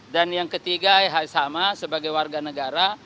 dan yang ketiga hal yang sama sebagai warga negara